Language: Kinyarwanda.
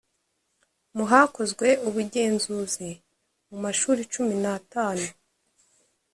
mu hakozwe ubugenzuzi mu mashuri cumi n atanu